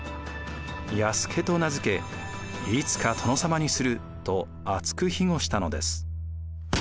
弥助と名付け「いつか殿様にする」と厚く庇護したのです。